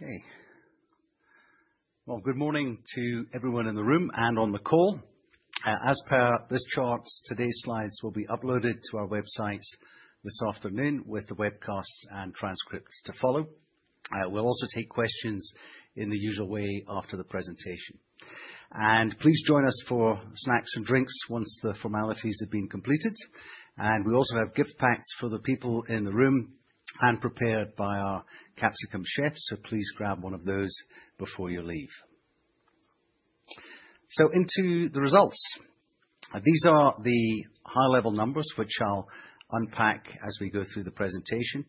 Okay. Well, good morning to everyone in the room and on the call. As per this chart, today's slides will be uploaded to our website this afternoon with the webcast and transcript to follow. We'll also take questions in the usual way after the presentation. Please join us for snacks and drinks once the formalities have been completed. We also have gift bags for the people in the room hand-prepared by our Capsicum chef, so please grab one of those before you leave. Into the results. These are the high-level numbers, which I'll unpack as we go through the presentation.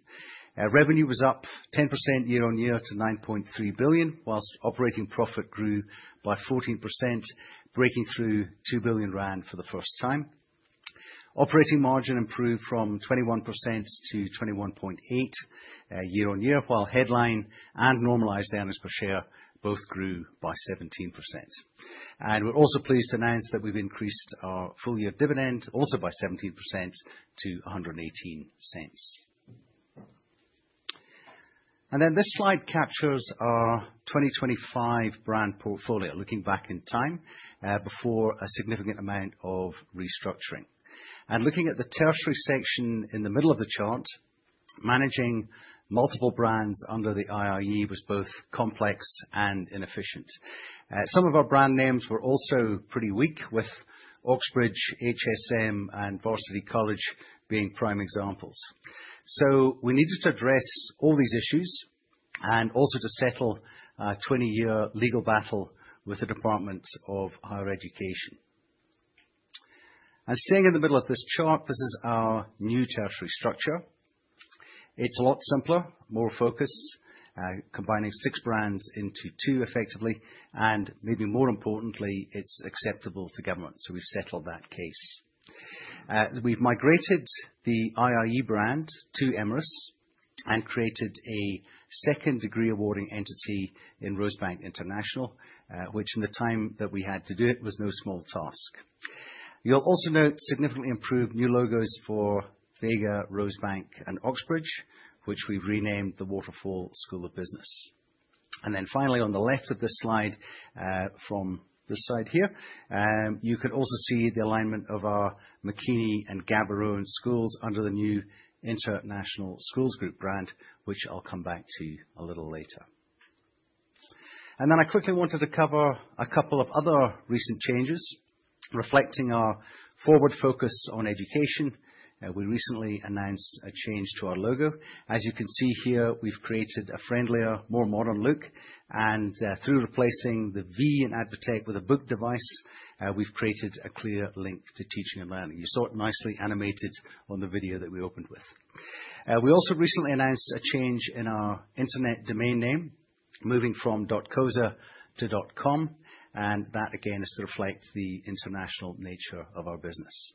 Revenue was up 10% year-on-year to 9.3 billion, while operating profit grew by 14%, breaking through 2 billion rand for the first time. Operating margin improved from 21%-21.8% year-on-year, while headline and normalized earnings per share both grew by 17%. We're also pleased to announce that we've increased our full-year dividend also by 17% to 1.18. This slide captures our 2025 brand portfolio, looking back in time, before a significant amount of restructuring. Looking at the tertiary section in the middle of the chart, managing multiple brands under the IIE was both complex and inefficient. Some of our brand names were also pretty weak with Oxbridge, HSM, and Varsity College being prime examples. We needed to address all these issues and also to settle a 20-year legal battle with the Department of Higher Education. Staying in the middle of this chart, this is our new tertiary structure. It's a lot simpler, more focused, combining six brands into two effectively, and maybe more importantly, it's acceptable to government. We've settled that case. We've migrated The IIE brand to Emeris and created a second degree-awarding entity in Rosebank International, which in the time that we had to do it was no small task. You'll also note significantly improved new logos for Vega, Rosebank and Oxbridge, which we've renamed the Waterfall School of Business. Finally, on the left of this slide, from this side here, you could also see the alignment of our Makini Schools and Gaborone International School under the new International Schools Group brand, which I'll come back to a little later. I quickly wanted to cover a couple of other recent changes reflecting our forward focus on education. We recently announced a change to our logo. As you can see here, we've created a friendlier, more modern look. Through replacing the V in ADvTECH with a book device, we've created a clear link to teaching and learning. You saw it nicely animated on the video that we opened with. We also recently announced a change in our internet domain name, moving from .co.za to .com, and that again is to reflect the international nature of our business.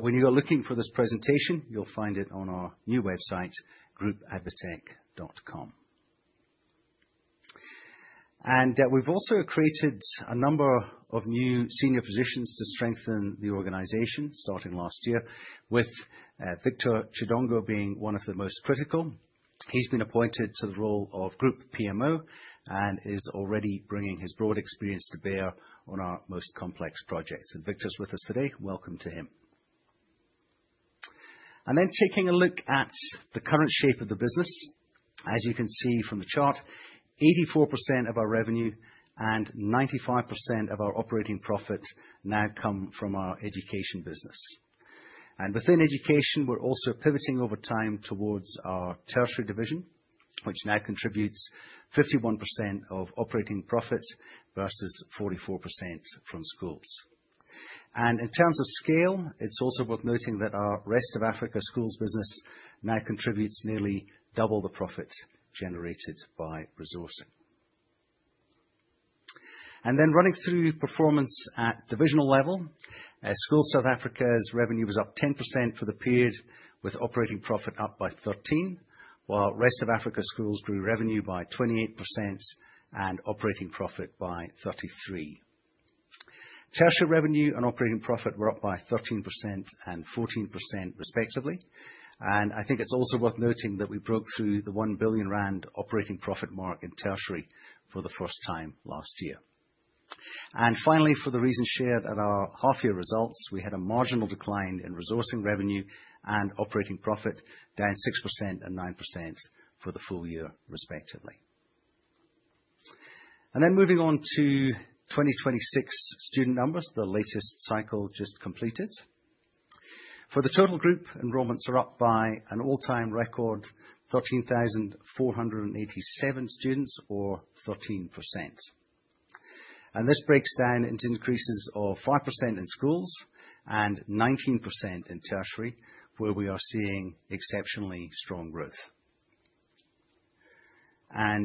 When you are looking for this presentation, you'll find it on our new website, groupadvtech.com. We've also created a number of new senior positions to strengthen the organization starting last year with Victor Sobahle Chidongo being one of the most critical. He's been appointed to the role of Group PMO and is already bringing his broad experience to bear on our most complex projects. Victor's with us today. Welcome to him. Taking a look at the current shape of the business. As you can see from the chart, 84% of our revenue and 95% of our operating profit now come from our education business. Within education, we're also pivoting over time towards our tertiary division, which now contributes 51% of operating profit versus 44% from schools. In terms of scale, it's also worth noting that our rest of Africa schools business now contributes nearly double the profit generated by resourcing. Running through performance at divisional level. Schools South Africa's revenue was up 10% for the period, with operating profit up by 13%, while rest of Africa schools grew revenue by 28% and operating profit by 33%. Tertiary revenue and operating profit were up by 13% and 14% respectively. I think it's also worth noting that we broke through the 1 billion rand operating profit mark in tertiary for the first time last year. Finally, for the reasons shared at our half-year results, we had a marginal decline in resourcing revenue and operating profit, down 6% and 9% for the full year respectively. Then moving on to 2026 student numbers, the latest cycle just completed. For the total group, enrollments are up by an all-time record 13,487 students or 13%. This breaks down into increases of 5% in schools and 19% in tertiary, where we are seeing exceptionally strong growth.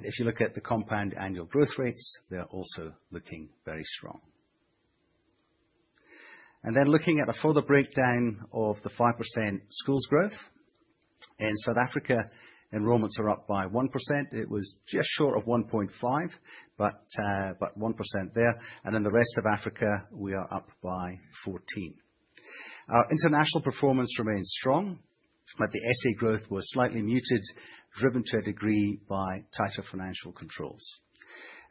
If you look at the compound annual growth rates, they're also looking very strong. Then looking at a further breakdown of the 5% schools growth. In South Africa, enrollments are up by 1%. It was just short of 1.5%, but 1% there. In the rest of Africa, we are up by 14%. Our international performance remains strong, but the SA growth was slightly muted, driven to a degree by tighter financial controls.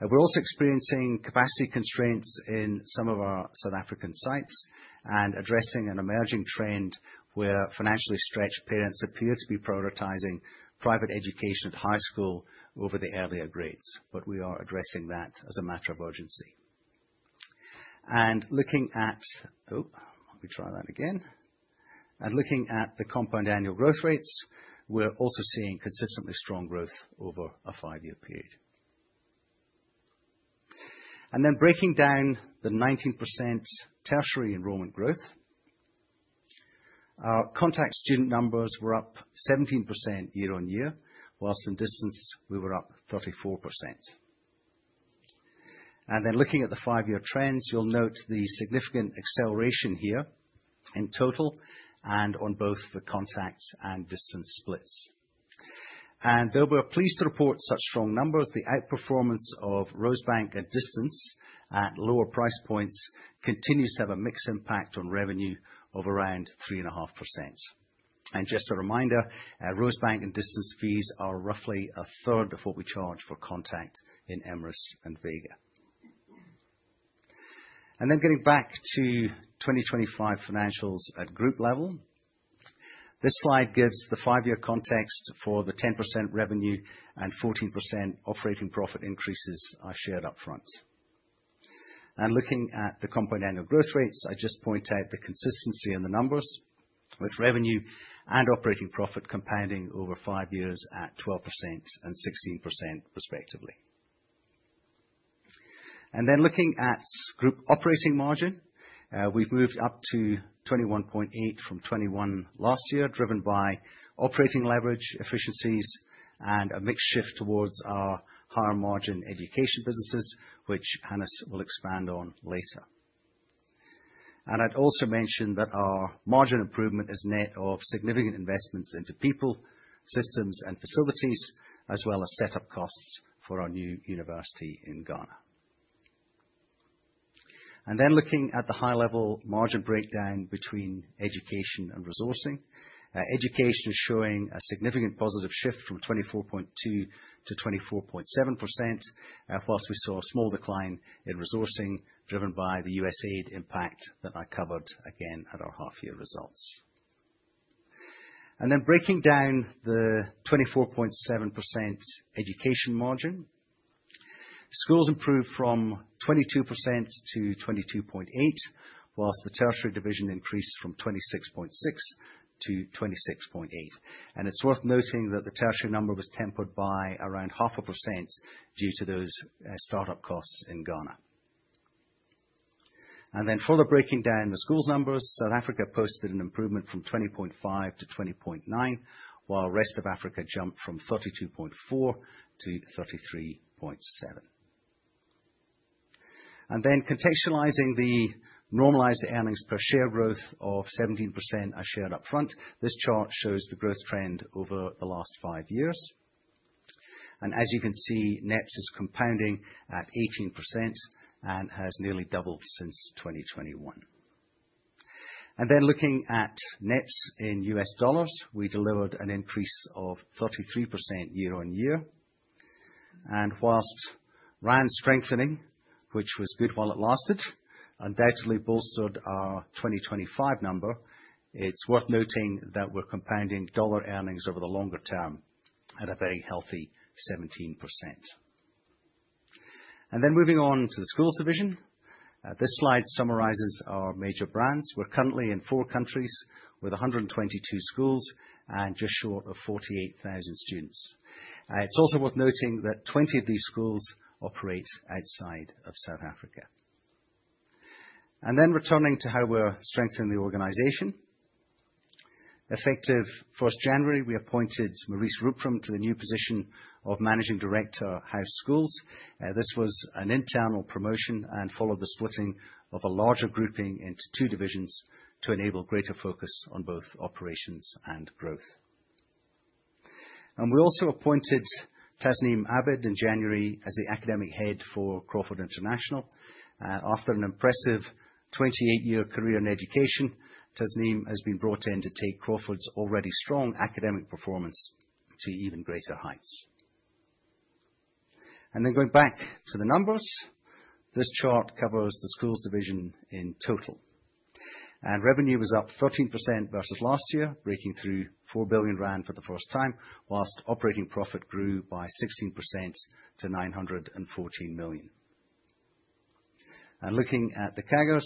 We're also experiencing capacity constraints in some of our South African sites and addressing an emerging trend where financially stretched parents appear to be prioritizing private education at high school over the earlier grades, but we are addressing that as a matter of urgency. Looking at the compound annual growth rates, we're also seeing consistently strong growth over a five-year period. Breaking down the 19% tertiary enrollment growth, our contact student numbers were up 17% year-over-year, while in distance we were up 34%. Looking at the five-year trends, you'll note the significant acceleration here in total and on both the contact and distance splits. Though we are pleased to report such strong numbers, the outperformance of Rosebank College at distance at lower price points continues to have a mixed impact on revenue of around 3.5%. Just a reminder, Rosebank College and distance fees are roughly a third of what we charge for contact in Emeris and The Vega School. Then getting back to 2025 financials at group level. This slide gives the five-year context for the 10% revenue, and 14% operating profit increases I shared upfront. Looking at the compound annual growth rates, I just point out the consistency in the numbers with revenue and operating profit compounding over five years at 12% and 16% respectively. Then looking at group operating margin, we've moved up to 21.8% from 21% last year, driven by operating leverage efficiencies and a mixed shift towards our higher margin education businesses, which Hannes will expand on later. I'd also mention that our margin improvement is net of significant investments into people, systems and facilities, as well as setup costs for our new university in Ghana. Looking at the high-level margin breakdown between education and resourcing, education is showing a significant positive shift from 24.2%-24.7%, while we saw a small decline in resourcing driven by the USAID impact that I covered again at our half-year results. Breaking down the 24.7% education margin, schools improved from 22%-22.8%, while the tertiary division increased from 26.6%-26.8%. It's worth noting that the tertiary number was tempered by around half a percent due to those start-up costs in Ghana. Further breaking down the schools numbers, South Africa posted an improvement from 20.5%-20.9%, while Rest of Africa jumped from 32.4%-33.7%. Contextualizing the normalized earnings per share growth of 17% I shared upfront, this chart shows the growth trend over the last five years. As you can see, NEPS is compounding at 18% and has nearly doubled since 2021. Looking at NEPS in U.S. dollars, we delivered an increase of 33% year-on-year. While rand strengthening, which was good while it lasted, undoubtedly bolstered our 2025 number, it's worth noting that we're compounding dollar earnings over the longer term at a very healthy 17%. Moving on to the school's division. This slide summarizes our major brands. We're currently in four countries with 122 schools and just short of 48,000 students. It's also worth noting that 20 of these schools operate outside of South Africa. Returning to how we're strengthening the organization. Effective 1st January, we appointed Maurice Rupram to the new position of Managing Director, House Schools. This was an internal promotion and followed the splitting of a larger grouping into two divisions to enable greater focus on both operations and growth. We also appointed Tasneem Abid in January as the Academic Head for Crawford International. After an impressive 28-year career in education, Tasneem has been brought in to take Crawford's already strong academic performance to even greater heights. Going back to the numbers. This chart covers the schools division in total, and revenue was up 13% versus last year, breaking through 4 billion rand for the first time, while operating profit grew by 16% to 914 million. Looking at the CAGRs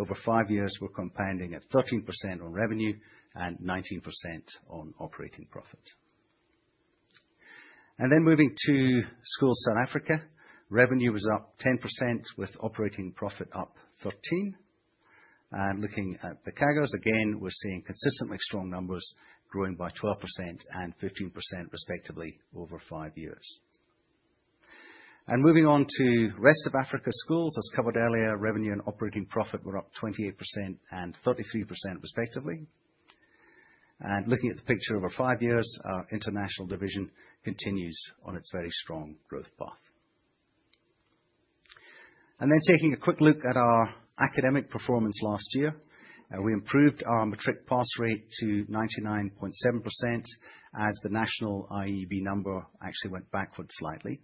over five years, we're compounding at 13% on revenue and 19% on operating profit. Moving to schools, South Africa, revenue was up 10% with operating profit up 13%. Looking at the CAGRs, again, we're seeing consistently strong numbers growing by 12% and 15% respectively over five years. Moving on to rest of Africa schools, as covered earlier, revenue and operating profit were up 28% and 33% respectively. Looking at the picture over five years, our international division continues on its very strong growth path. Taking a quick look at our academic performance last year. We improved our matric pass rate to 99.7% as the national IEB number actually went backward slightly.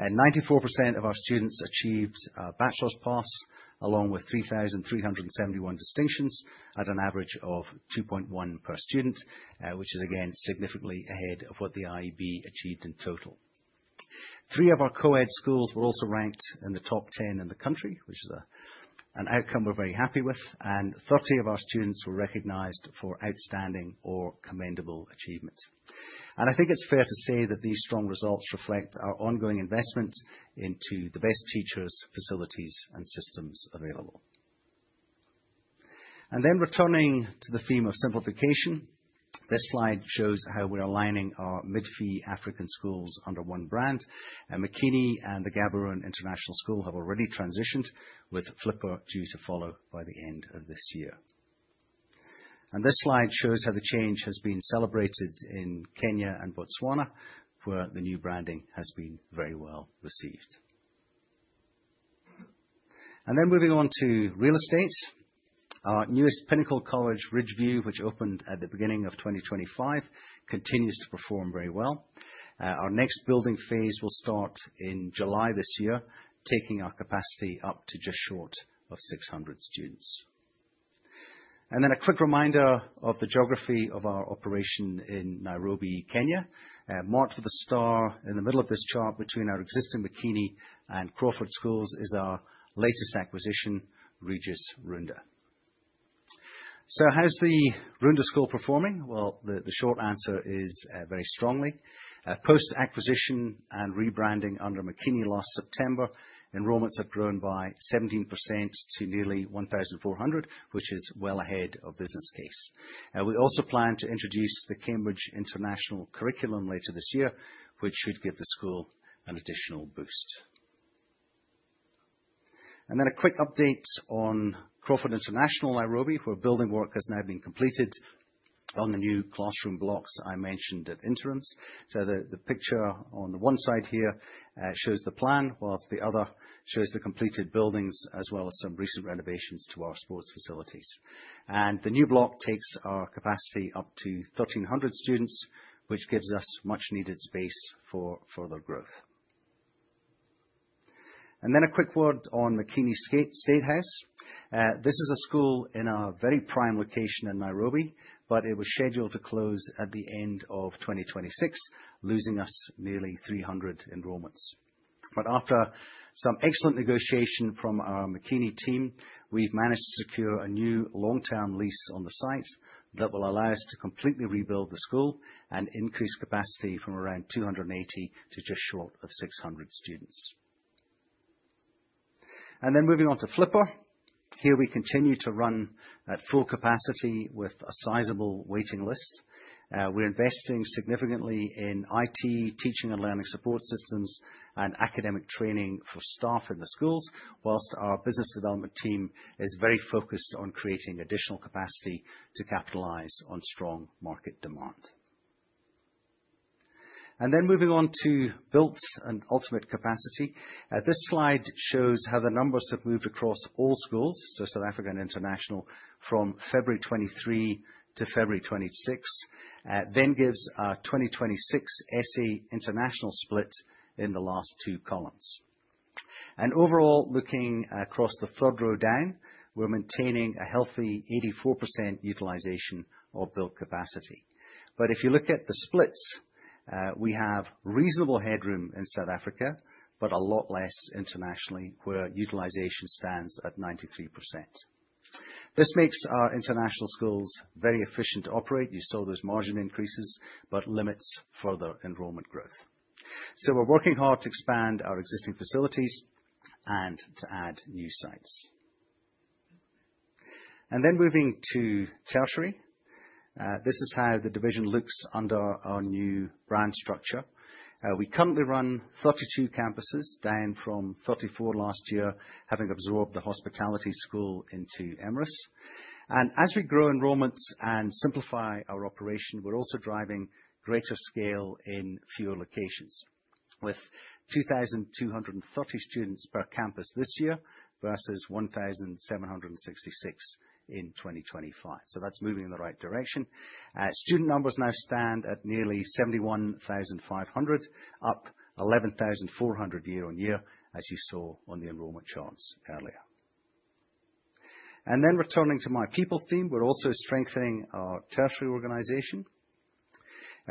94% of our students achieved a bachelor's pass, along with 3,371 distinctions at an average of 2.1 per student, which is again, significantly ahead of what the IEB achieved in total. Three of our co-ed schools were also ranked in the top 10 in the country, which is an outcome we're very happy with, and 30 of our students were recognized for outstanding or commendable achievements. I think it's fair to say that these strong results reflect our ongoing investment into the best teachers, facilities, and systems available. Returning to the theme of simplification. This slide shows how we're aligning our mid-fee African schools under one brand, and Makini School and the Gaborone International School have already transitioned, with Flipper International School due to follow by the end of this year. This slide shows how the change has been celebrated in Kenya and Botswana, where the new branding has been very well received. Moving on to real estate. Our newest Pinnacle College Ridge View, which opened at the beginning of 2025, continues to perform very well. Our next building phase will start in July this year, taking our capacity up to just short of 600 students. A quick reminder of the geography of our operation in Nairobi, Kenya. Marked with a star in the middle of this chart between our existing Makini Schools and Crawford International Schools is our latest acquisition, Regis Runda Academy. How's the Runda school performing? Well, the short answer is very strongly. Post-acquisition and rebranding under Makini last September, enrollments have grown by 17% to nearly 1,400, which is well ahead of business case. We also plan to introduce the Cambridge International Curriculum later this year, which should give the school an additional boost. A quick update on Crawford International School Kenya, Nairobi, where building work has now been completed on the new classroom blocks I mentioned at interim. The picture on the one side here shows the plan, while the other shows the completed buildings, as well as some recent renovations to our sports facilities. The new block takes our capacity up to 1,300 students, which gives us much needed space for further growth. A quick word on Makini School Statehouse. This is a school in a very prime location in Nairobi, but it was scheduled to close at the end of 2026, losing us nearly 300 enrollments. After some excellent negotiation from our Makini team, we've managed to secure a new long-term lease on the site that will allow us to completely rebuild the school and increase capacity from around 280 to just short of 600 students. Moving on to Flipper. Here we continue to run at full capacity with a sizable waiting list. We're investing significantly in IT, teaching and learning support systems, and academic training for staff in the schools, while our business development team is very focused on creating additional capacity to capitalize on strong market demand. Then moving on to built and utilized capacity. This slide shows how the numbers have moved across all schools, so South Africa and international, from February 2023 to February 2026. It then gives our 2026 SA international split in the last two columns. Overall, looking across the third row down, we're maintaining a healthy 84% utilization of built capacity. If you look at the splits, we have reasonable headroom in South Africa, but a lot less internationally, where utilization stands at 93%. This makes our international schools very efficient to operate, you saw those margin increases, but limits further enrollment growth. We're working hard to expand our existing facilities and to add new sites. Moving to tertiary. This is how the division looks under our new brand structure. We currently run 32 campuses, down from 34 last year, having absorbed the hospitality school into Emeris. As we grow enrollments and simplify our operation, we're also driving greater scale in fewer locations, with 2,230 students per campus this year versus 1,766 in 2025. That's moving in the right direction. Student numbers now stand at nearly 71,500, up 11,400 year on year, as you saw on the enrollment charts earlier. Returning to my people theme. We're also strengthening our tertiary organization.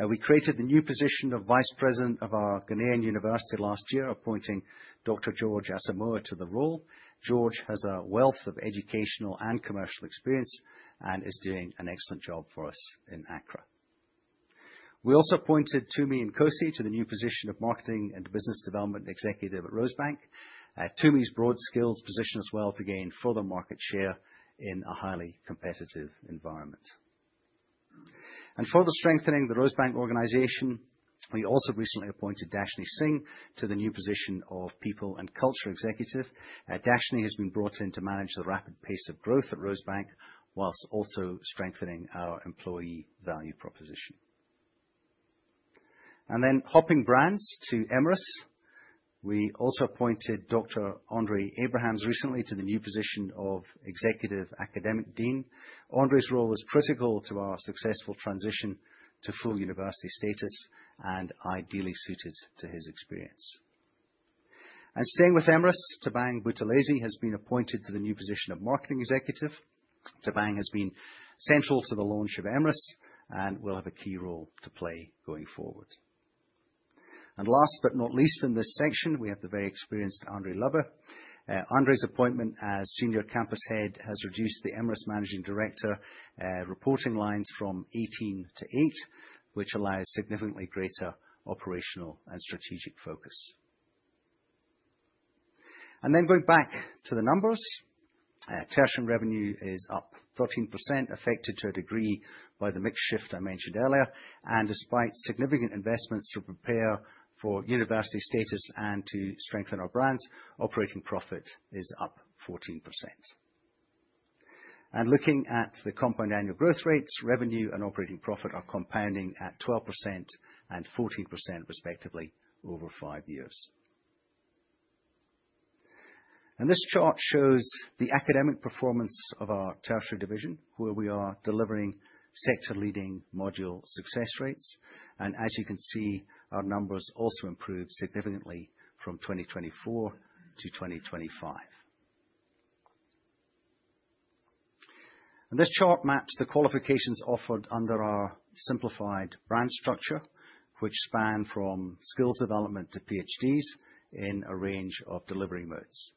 We created the new position of vice president of our Ghanaian university last year, appointing Dr. George Asamoah to the role. George Asamoah has a wealth of educational and commercial experience and is doing an excellent job for us in Accra. We also appointed Tumi Nkosi to the new position of Marketing and Business Development Executive at Rosebank. Tumi's broad skills position us well to gain further market share in a highly competitive environment. Further strengthening the Rosebank organization, we also recently appointed Dashnee Singh to the new position of People and Culture Executive. Dashnee has been brought in to manage the rapid pace of growth at Rosebank while also strengthening our employee value proposition. Hopping brands to Emeris. We also appointed Dr. Andre Abrahams recently to the new position of Executive Academic Dean. Andre's role was critical to our successful transition to full university status and ideally suited to his experience. Staying with Emeris, Thabang Buthelezi has been appointed to the new position of Marketing Executive. Thabang has been central to the launch of Emeris and will have a key role to play going forward. Last but not least, in this section, we have the very experienced André Lubbe. André's appointment as Senior Campus Head has reduced the Emeris Managing Director reporting lines from 18-8, which allows significantly greater operational and strategic focus. Going back to the numbers, tertiary revenue is up 13%, affected to a degree by the mix shift I mentioned earlier, and despite significant investments to prepare for university status and to strengthen our brands, operating profit is up 14%. Looking at the compound annual growth rates, revenue and operating profit are compounding at 12% and 14% respectively over five years. This chart shows the academic performance of our tertiary division, where we are delivering sector-leading module success rates. As you can see, our numbers also improved significantly from 2024 to 2025. This chart maps the qualifications offered under our simplified brand structure, which span from skills development to PhDs in a range of delivery modes.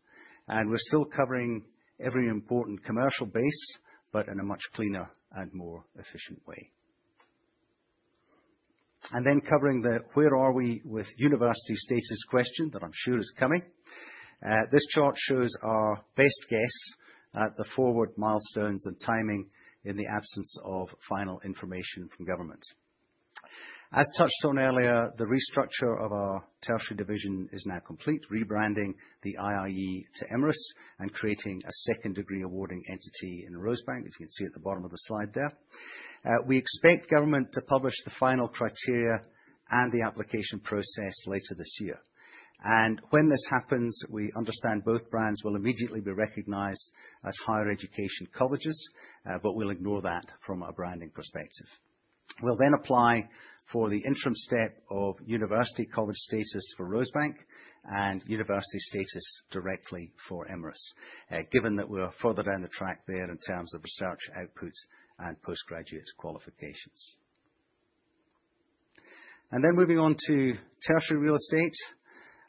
We're still covering every important commercial base, but in a much cleaner and more efficient way. Then covering the where are we with university status question that I'm sure is coming, this chart shows our best guess at the forward milestones and timing in the absence of final information from government. As touched on earlier, the restructure of our tertiary division is now complete, rebranding the IIE to Emeris and creating a second degree awarding entity in Rosebank, as you can see at the bottom of the slide there. We expect government to publish the final criteria and the application process later this year. When this happens, we understand both brands will immediately be recognized as higher education colleges, but we'll ignore that from a branding perspective. We'll then apply for the interim step of university college status for Rosebank and university status directly for Emeris, given that we are further down the track there in terms of research outputs and postgraduate qualifications. Moving on to tertiary real estate.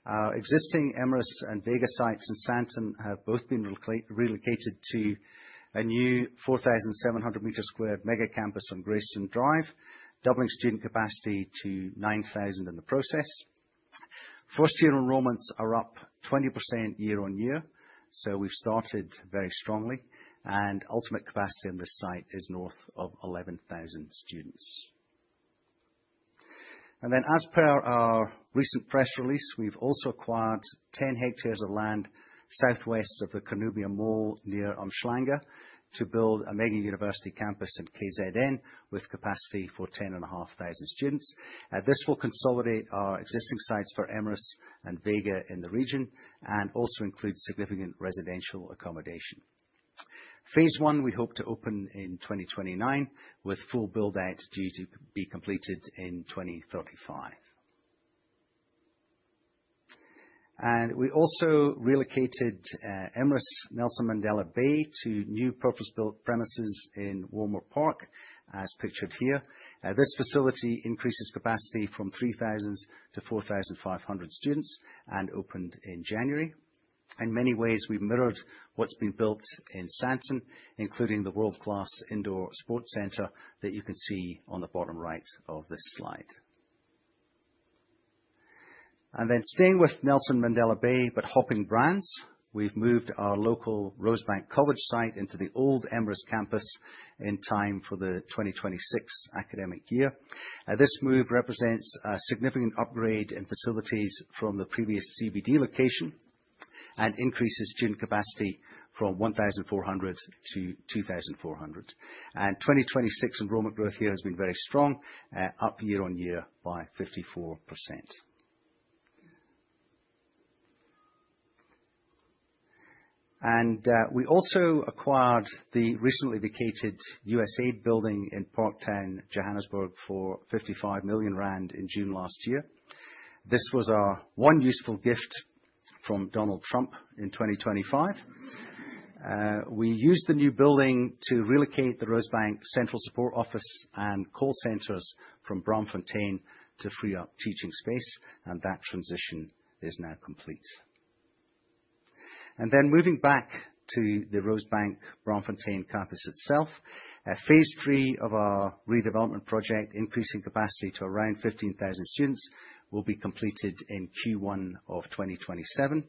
Our existing Emeris and Vega sites in Sandton have both been relocated to a new 4,700 sq m mega campus on Grayston Drive, doubling student capacity to 9,000 in the process. First-year enrollments are up 20% year-on-year, so we've started very strongly, and ultimate capacity on this site is north of 11,000 students. Then as per our recent press release, we've also acquired 10 hectares of land southwest of the Cornubia Mall near Umhlanga to build a mega university campus in KZN with capacity for 10,500 students. This will consolidate our existing sites for Emeris and Vega in the region and also includes significant residential accommodation. Phase I we hope to open in 2029, with full build out due to be completed in 2035. We also relocated Emeris Nelson Mandela Bay to new purpose-built premises in Walmer Park, as pictured here. This facility increases capacity from 3,000 to 4,500 students and opened in January. In many ways, we've mirrored what's been built in Sandton, including the world-class indoor sports center that you can see on the bottom right of this slide. Staying with Nelson Mandela Bay, but hopping brands, we've moved our local Rosebank College site into the old Emeris campus in time for the 2026 academic year. This move represents a significant upgrade in facilities from the previous CBD location and increases student capacity from 1,400-2,400. 2026 enrollment growth here has been very strong, up year-on-year by 54%. We also acquired the recently vacated USAID building in Parktown, Johannesburg for 55 million rand in June last year. This was our one useful gift from Donald Trump in 2025. We used the new building to relocate the Rosebank central support office and call centers from Braamfontein to free up teaching space, and that transition is now complete. Moving back to the Rosebank Braamfontein campus itself, phase three of our redevelopment project, increasing capacity to around 15,000 students, will be completed in Q1 of 2027.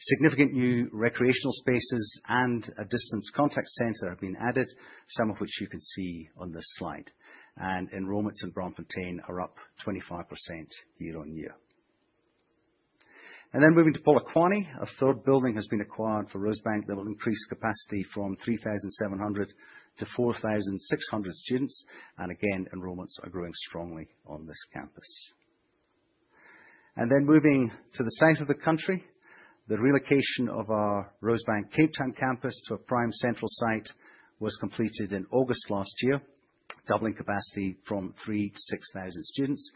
Significant new recreational spaces and a distance contact center have been added, some of which you can see on this slide. Enrollments in Braamfontein are up 25% year-on-year. Moving to Polokwane. A third building has been acquired for Rosebank that will increase capacity from 3,700-4,600 students, and again, enrollments are growing strongly on this campus. Moving to the south of the country. The relocation of our Rosebank Cape Town campus to a prime central site was completed in August last year, doubling capacity from 3,000 to 6,000 students.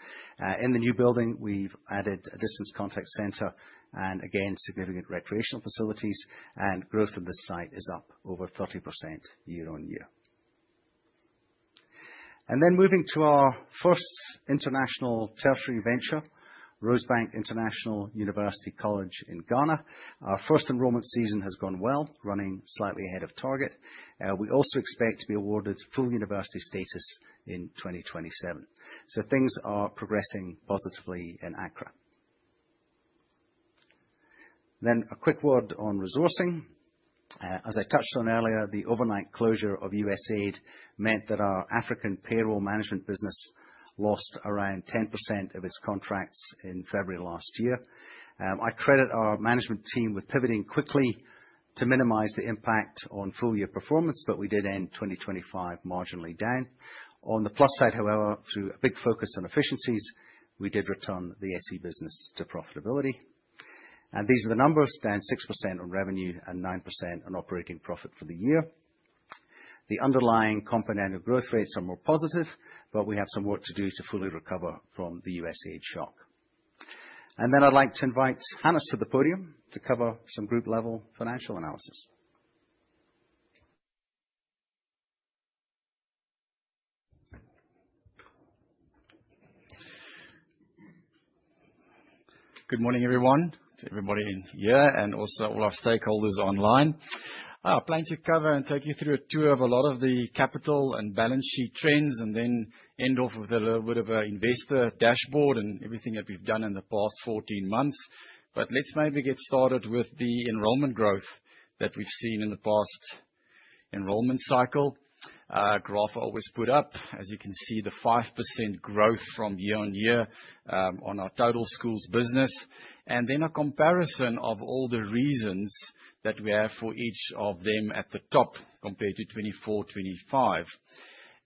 In the new building, we've added a distance contact center and again significant recreational facilities, and growth on this site is up over 30% year-on-year. Moving to our first international tertiary venture, Rosebank International University College in Ghana. Our first enrollment season has gone well, running slightly ahead of target. We also expect to be awarded full university status in 2027. Things are progressing positively in Accra. A quick word on resourcing. As I touched on earlier, the overnight closure of USAID meant that our African payroll management business lost around 10% of its contracts in February last year. I credit our management team with pivoting quickly to minimize the impact on full-year performance, but we did end 2025 marginally down. On the plus side, however, through a big focus on efficiencies, we did return the SA business to profitability. These are the numbers, down 6% on revenue and 9% on operating profit for the year. The underlying component growth rates are more positive, but we have some work to do to fully recover from the USAID shock. Then I'd like to invite Hannes to the podium to cover some group level financial analysis. Good morning everyone. To everybody in here and also all our stakeholders online. I plan to cover and take you through a tour of a lot of the capital and balance sheet trends, and then end off with a little bit of an investor dashboard and everything that we've done in the past 14 months. Let's maybe get started with the enrollment growth that we've seen in the past enrollment cycle. Graph I always put up, as you can see, the 5% growth from year-on-year on our total school's business, and then a comparison of all the reasons that we have for each of them at the top compared to 2024, 2025.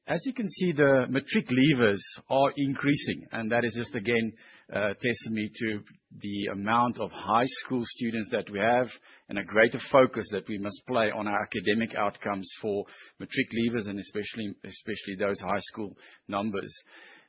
As you can see, the matric leavers are increasing, and that is just again a testimony to the amount of high school students that we have and a greater focus that we must place on our academic outcomes for matric leavers and especially those high school numbers.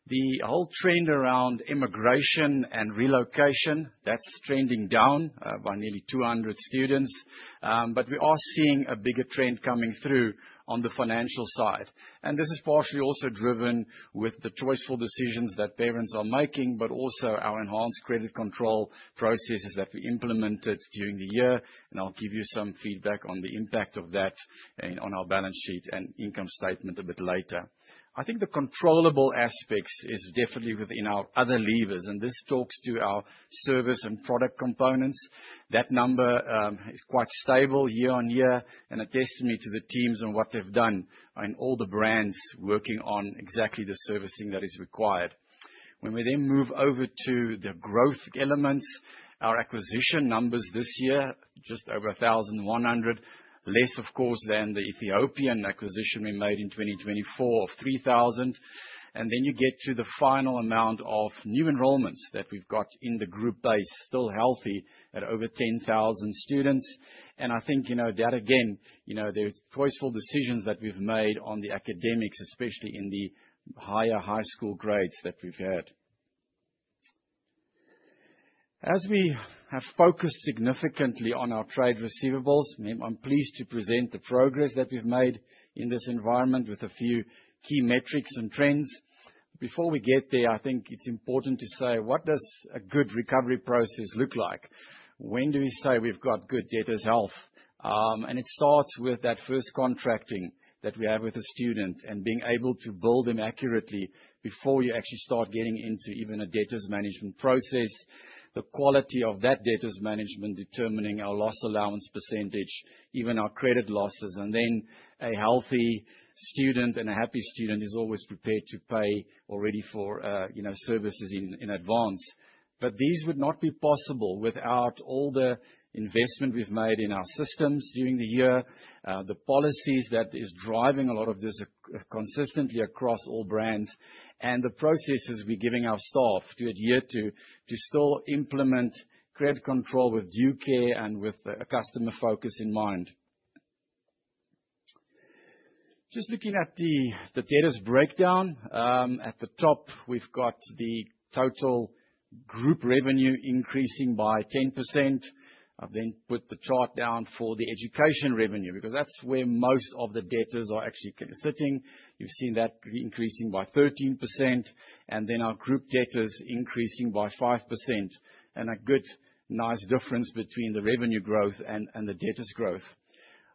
The whole trend around immigration and relocation, that's trending down by nearly 200 students. We are seeing a bigger trend coming through on the financial side. This is partially also driven with the choiceful decisions that parents are making, but also our enhanced credit control processes that we implemented during the year. I'll give you some feedback on the impact of that and on our balance sheet and income statement a bit later. I think the controllable aspects is definitely within our other leavers, and this talks to our service and product components. That number is quite stable year-on-year and a testimony to the teams and what they've done and all the brands working on exactly the servicing that is required. When we then move over to the growth elements, our acquisition numbers this year, just over 1,100. Less, of course, than the Ethiopian acquisition we made in 2024 of 3,000. You get to the final amount of new enrollments that we've got in the group base, still healthy at over 10,000 students. I think, that again, there's choiceful decisions that we've made on the academics, especially in the higher high school grades that we've had. As we have focused significantly on our trade receivables, I'm pleased to present the progress that we've made in this environment with a few key metrics and trends. Before we get there, I think it's important to say, what does a good recovery process look like? When do we say we've got good debtors' health? It starts with that first contracting that we have with a student and being able to bill them accurately before you actually start getting into even a debtors management process. The quality of that debtors management determining our loss allowance percentage, even our credit losses, and then a healthy student and a happy student is always prepared to pay already for services in advance. These would not be possible without all the investment we've made in our systems during the year. The policies that is driving a lot of this consistently across all brands, and the processes we're giving our staff to adhere to still implement credit control with due care and with a customer focus in mind. Just looking at the debtors breakdown. At the top, we've got the total group revenue increasing by 10%. I've then put the chart down for the education revenue because that's where most of the debtors are actually sitting. You've seen that increasing by 13%, and then our group debtors increasing by 5%. A good, nice difference between the revenue growth and the debtors growth.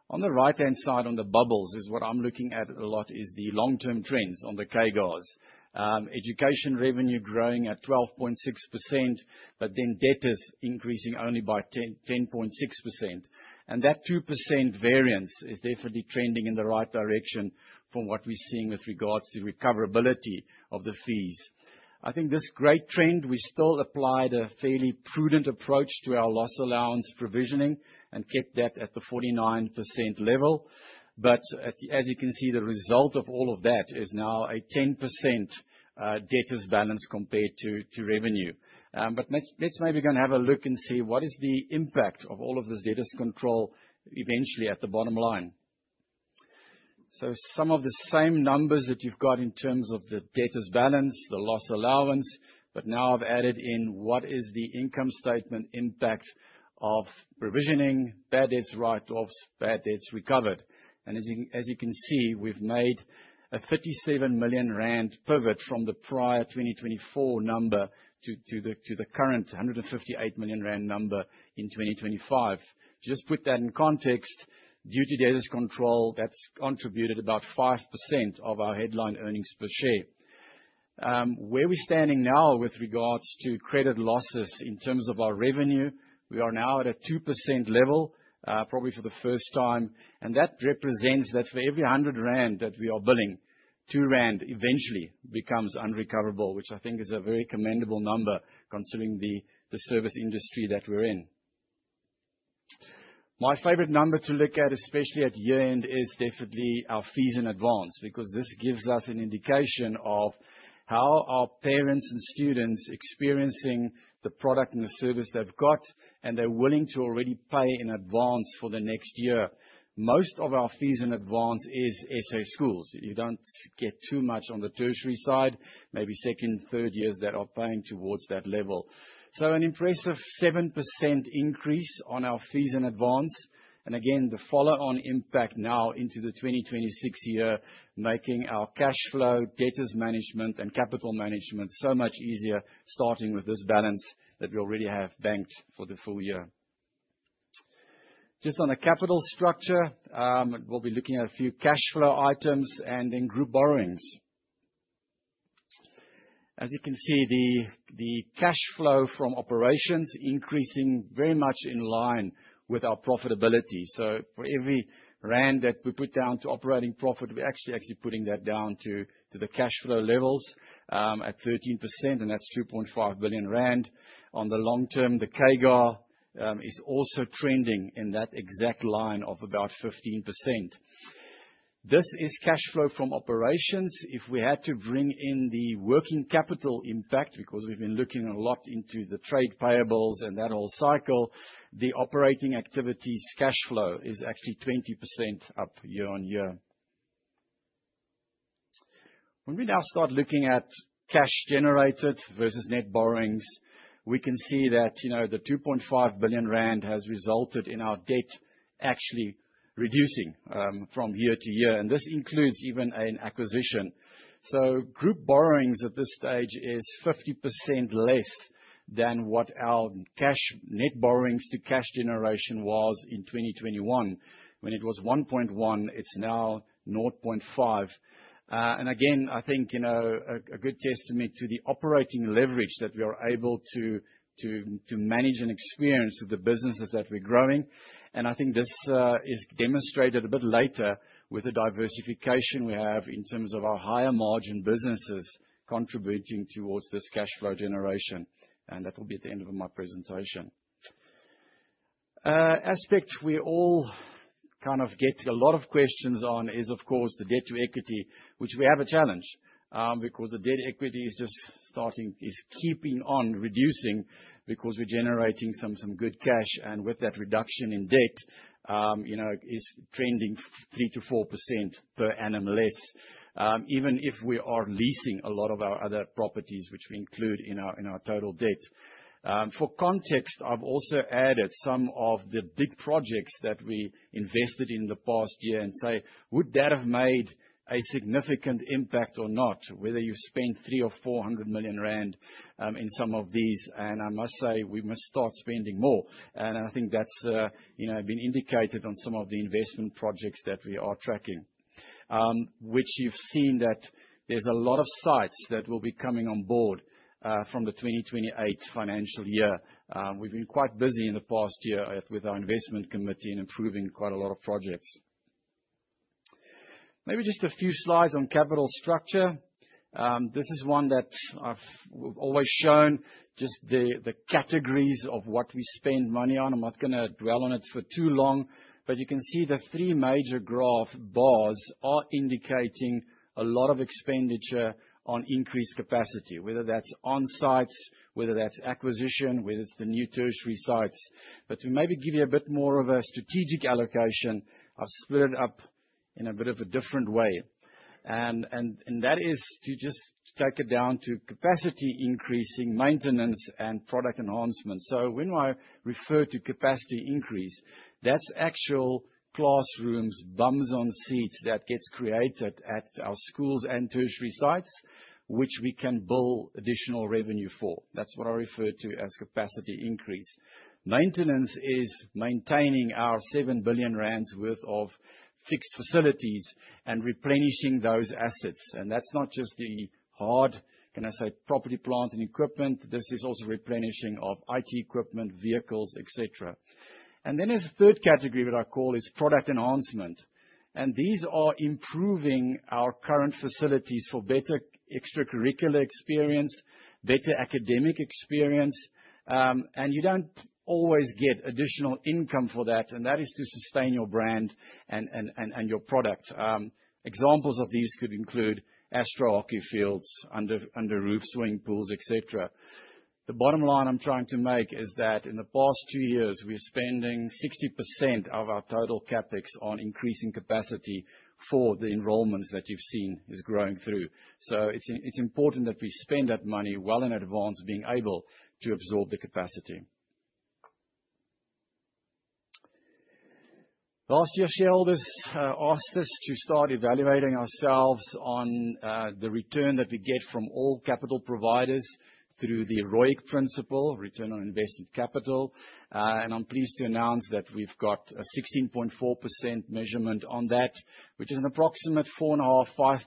On the right-hand side on the bubbles is what I'm looking at a lot, is the long-term trends on the CAGRs. Education revenue growing at 12.6%, but then debtors increasing only by 10.6%. That 2% variance is definitely trending in the right direction from what we're seeing with regards to recoverability of the fees. I think this great trend, we still applied a fairly prudent approach to our loss allowance provisioning and kept that at the 49% level. As you can see, the result of all of that is now a 10% debtors balance compared to revenue. Let's maybe go and have a look and see what is the impact of all of this debtors control eventually at the bottom line. Some of the same numbers that you've got in terms of the debtors balance, the loss allowance, but now I've added in what is the income statement impact of provisioning, bad debts write-offs, bad debts recovered. As you can see, we've made a 37 million rand pivot from the prior 2024 number to the current 158 million rand number in 2025. Just put that in context. Due to debtors control, that's contributed about 5% of our headline earnings per share. Where we're standing now with regards to credit losses in terms of our revenue, we are now at a 2% level, probably for the first time. That represents that for every 100 rand that we are billing, 2 rand eventually becomes unrecoverable, which I think is a very commendable number considering the service industry that we're in. My favorite number to look at, especially at year-end, is definitely our fees in advance, because this gives us an indication of how are parents and students experiencing the product and the service they've got, and they're willing to already pay in advance for the next year. Most of our fees in advance is SA schools. You don't get too much on the tertiary side, maybe second, third years that are paying towards that level. An impressive 7% increase on our fees in advance. Again, the follow-on impact now into the 2026 year, making our cash flow, debtors management, and capital management so much easier, starting with this balance that we already have banked for the full year. Just on a capital structure, we'll be looking at a few cash flow items and then group borrowings. As you can see, the cash flow from operations increasing very much in line with our profitability. For every rand that we put down to operating profit, we're actually putting that down to the cash flow levels at 13%, and that's 2.5 billion rand. On the long term, the CAGR is also trending in that exact line of about 15%. This is cash flow from operations. If we had to bring in the working capital impact, because we've been looking a lot into the trade payables and that whole cycle, the operating activities cash flow is actually 20% up year-on-year. When we now start looking at cash generated versus net borrowings, we can see that the 2.5 billion rand has resulted in our debt actually reducing from year to year, and this includes even an acquisition. Group borrowings at this stage is 50% less than what our net borrowings to cash generation was in 2021. When it was 1.1, it's now 0.5. Again, I think, a good testament to the operating leverage that we are able to manage and experience with the businesses that we're growing. I think this is demonstrated a bit later with the diversification we have in terms of our higher margin businesses contributing towards this cash flow generation, and that will be at the end of my presentation. An aspect we all get a lot of questions on is, of course, the debt-to-equity, which we have a challenge, because the debt-to-equity is keeping on reducing because we're generating some good cash. With that reduction in debt is trending 3%-4% per annum less, even if we are leasing a lot of our other properties, which we include in our total debt. For context, I've also added some of the big projects that we invested in the past year and, say, would that have made a significant impact or not, whether you spend 300 million or 400 million rand in some of these, and I must say, we must start spending more. I think that's been indicated on some of the investment projects that we are tracking, which you've seen that there's a lot of sites that will be coming on board, from the 2028 financial year. We've been quite busy in the past year with our investment committee in approving quite a lot of projects. Maybe just a few slides on capital structure. This is one that we've always shown, just the categories of what we spend money on. I'm not gonna dwell on it for too long, but you can see the three major graph bars are indicating a lot of expenditure on increased capacity, whether that's on sites, whether that's acquisition, whether it's the new tertiary sites. To maybe give you a bit more of a strategic allocation, I've split it up in a bit of a different way. That is to just take it down to capacity increasing, maintenance, and product enhancement. When I refer to capacity increase, that's actual classrooms, bums on seats that gets created at our schools and tertiary sites, which we can bill additional revenue for. That's what I refer to as capacity increase. Maintenance is maintaining our 7 billion rand worth of fixed facilities and replenishing those assets. That's not just the hard, can I say, property, plant, and equipment. This is also replenishing of IT equipment, vehicles, et cetera. There's a third category that I call is product enhancement. These are improving our current facilities for better extracurricular experience, better academic experience. You don't always get additional income for that, and that is to sustain your brand and your product. Examples of these could include AstroTurf hockey fields, under-roof swimming pools, et cetera. The bottom line I'm trying to make is that in the past two years, we're spending 60% of our total CapEx on increasing capacity for the enrollments that you've seen is growing through. It's important that we spend that money well in advance, being able to absorb the capacity. Last year, shareholders asked us to start evaluating ourselves on the return that we get from all capital providers through the ROIC principle, return on invested capital. I'm pleased to announce that we've got a 16.4% measurement on that, which is an approximate 4.5%-5%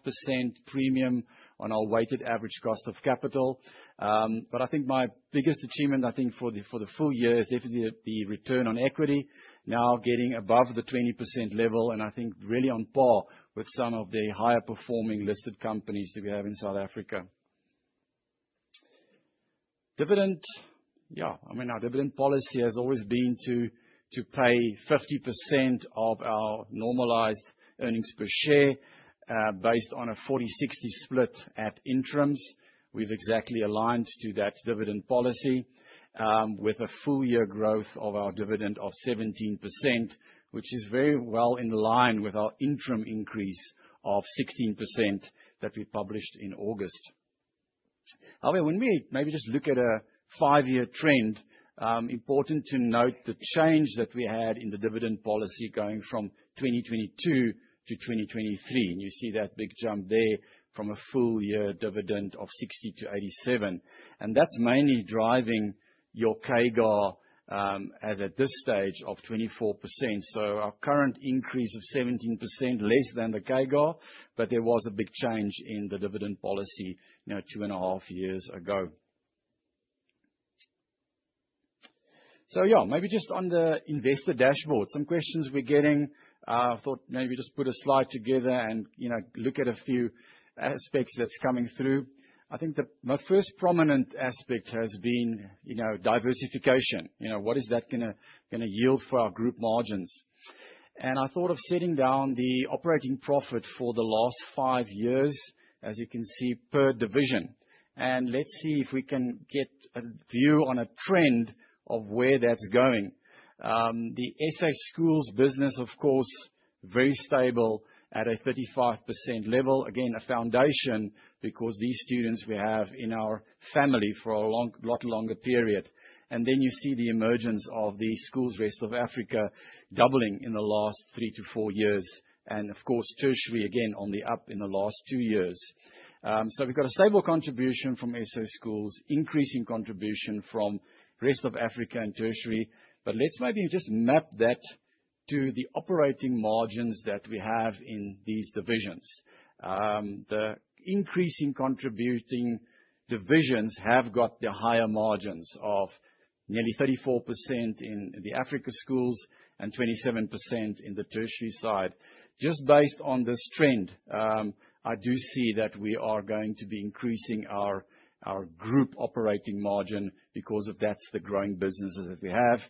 premium on our weighted average cost of capital. I think my biggest achievement, I think, for the full year is definitely the return on equity now getting above the 20% level, and I think really on par with some of the higher performing listed companies that we have in South Africa. Dividend. Yeah. Our dividend policy has always been to pay 50% of our normalized earnings per share, based on a 40/60 split at interims. We've exactly aligned to that dividend policy, with a full year growth of our dividend of 17%, which is very well in line with our interim increase of 16% that we published in August. However, when we maybe just look at a five-year trend, important to note the change that we had in the dividend policy going from 2022 to 2023. You see that big jump there from a full year dividend of 60-87. That's mainly driving your CAGR, as at this stage, of 24%. Our current increase of 17% less than the CAGR, but there was a big change in the dividend policy 2.5 years ago. Maybe just on the investor dashboard. Some questions we're getting, I thought maybe just put a slide together and look at a few aspects that's coming through. I think the first prominent aspect has been diversification. What is that gonna yield for our group margins? I thought of setting down the operating profit for the last five years, as you can see, per division. Let's see if we can get a view on a trend of where that's going. The SA schools business, of course, very stable at a 35% level. Again, a foundation, because these students we have in our family for a lot longer period. Then you see the emergence of the schools rest of Africa doubling in the last three to four years. Of course, tertiary again on the up in the last two years. We've got a stable contribution from SA schools, increasing contribution from rest of Africa and tertiary. Let's maybe just map that to the operating margins that we have in these divisions. The increasing contributing divisions have got the higher margins of nearly 34% in the Africa schools and 27% in the tertiary side. Just based on this trend, I do see that we are going to be increasing our group operating margin because of that's the growing businesses that we have.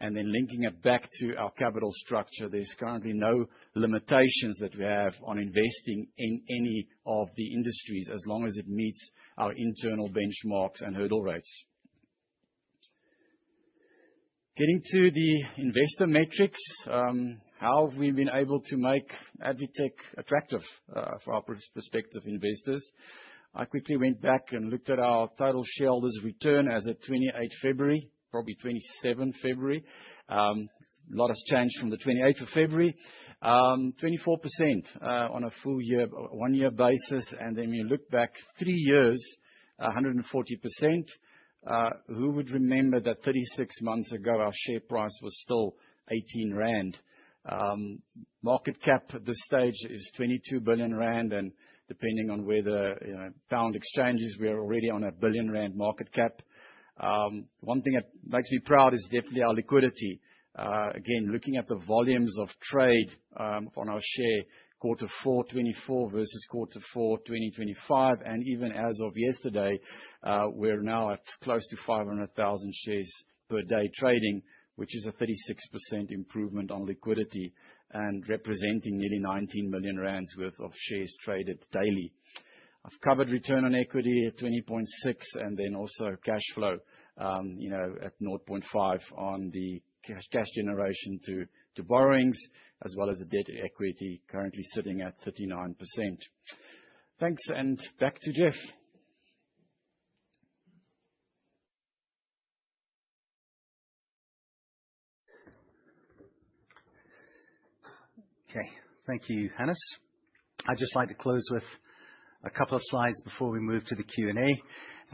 Linking it back to our capital structure, there's currently no limitations that we have on investing in any of the industries as long as it meets our internal benchmarks and hurdle rates. Getting to the investor metrics, how have we been able to make ADvTECH attractive for our prospective investors? I quickly went back and looked at our total shareholders return as at 28th February, probably 27th February. A lot has changed from the 28th of February. 24% on a full year, one year basis. You look back three years, 140%. Who would remember that 36 months ago, our share price was still 18 rand? Market cap at this stage is 22 billion rand, and depending on where the pound exchanges, we are already on a 1 billion rand market cap. One thing that makes me proud is definitely our liquidity. Again, looking at the volumes of trade on our share, quarter four 2024 versus quarter four 2025. Even as of yesterday, we're now at close to 500,000 shares per day trading, which is a 36% improvement on liquidity and representing nearly 19 million rand worth of shares traded daily. I've covered return on equity at 20.6% and then also cash flow at 0.5 on the cash generation to borrowings, as well as the debt equity currently sitting at 39%. Thanks, and back to Geoff. Okay. Thank you, Hannes. I'd just like to close with a couple of slides before we move to the Q&A.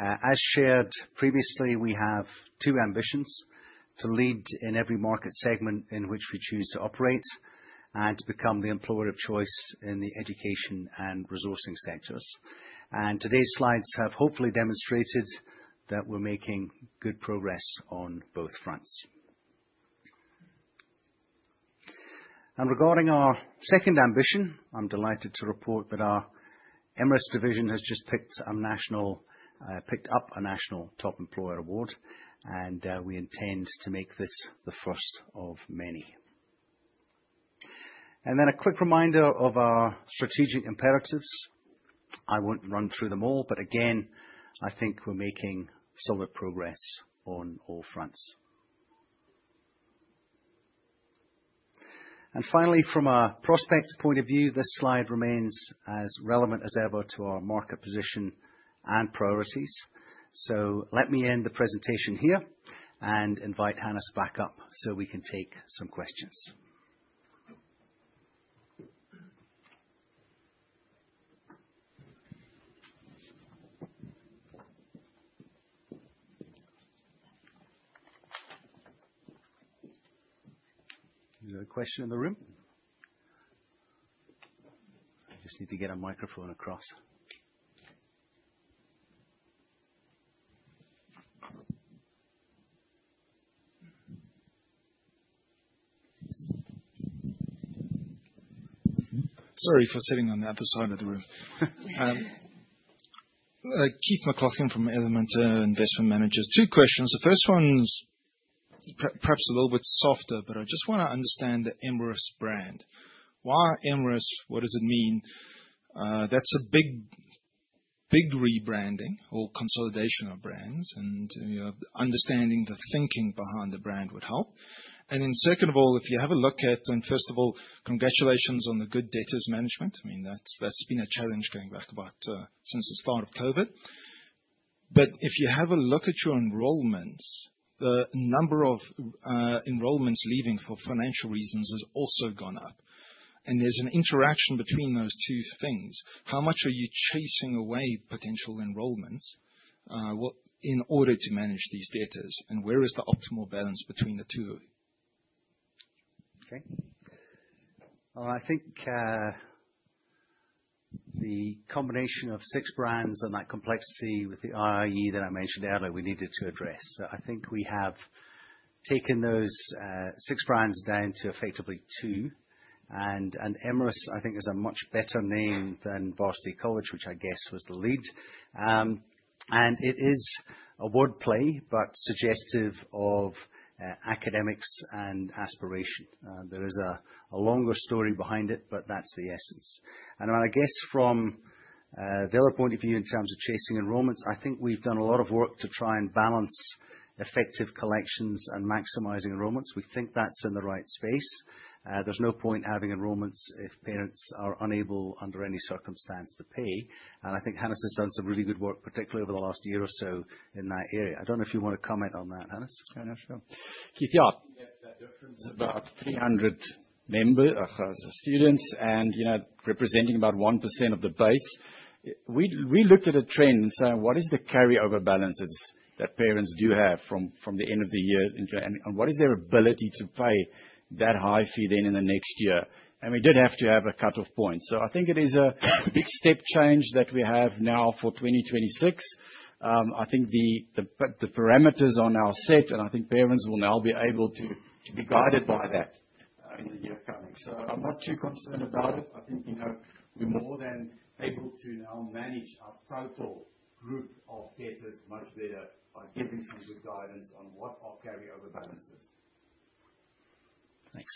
As shared previously, we have two ambitions, to lead in every market segment in which we choose to operate and to become the employer of choice in the education and resourcing sectors. Today's slides have hopefully demonstrated that we're making good progress on both fronts. Regarding our second ambition, I'm delighted to report that our Emeris division has just picked up a national Top Employer award, and we intend to make this the first of many. Then a quick reminder of our strategic imperatives. I won't run through them all, but again, I think we're making solid progress on all fronts. Finally, from a prospect's point of view, this slide remains as relevant as ever to our market position and priorities. Let me end the presentation here and invite Hannes back up so we can take some questions. Is there a question in the room? I just need to get a microphone across. Sorry for sitting on the other side of the room. Keith McLachlan from Element Investment Managers. Two questions. The first one's perhaps a little bit softer, but I just want to understand the Emeris brand. Why Emeris, what does it mean? That's a big rebranding or consolidation of brands and understanding the thinking behind the brand would help. Second of all, if you have a look at your enrollments, the number of enrollments leaving for financial reasons has also gone up. First of all, congratulations on the good debtors management. That's been a challenge going back about since the start of COVID. If you have a look at your enrollments, the number of enrollments leaving for financial reasons has also gone up. There's an interaction between those two things. How much are you chasing away potential enrollments in order to manage these debtors? Where is the optimal balance between the two? Okay. Well, I think the combination of six brands and that complexity with the IIE that I mentioned earlier, we needed to address. I think we have taken those six brands down to effectively two. Emeris, I think, is a much better name than Varsity College, which I guess was the lead. It is a wordplay, but suggestive of academics and aspiration. There is a longer story behind it, but that's the essence. I guess from the other point of view, in terms of chasing enrollments, I think we've done a lot of work to try and balance effective collections and maximizing enrollments. We think that's in the right space. There's no point having enrollments if parents are unable, under any circumstance, to pay. I think Hannes has done some really good work, particularly over the last year or so in that area. I don't know if you want to comment on that, Hannes? Fair enough. Keith, yeah. That difference of about 300 students and representing about 1% of the base. We looked at a trend and saying, what is the carryover balances that parents do have from the end of the year, and what is their ability to pay that high fee then in the next year? We did have to have a cut-off point. I think it is a big step change that we have now for 2026. I think the parameters are now set, and I think parents will now be able to be guided by that in the year coming. I'm not too concerned about it. I think we're more than able to now manage our total group of debtors much better by giving some good guidance on what are carryover balances. Thanks.